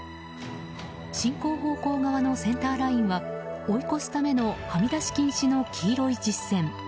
進行方向側のセンターラインは追い越すためのはみ出し禁止の黄色い実線。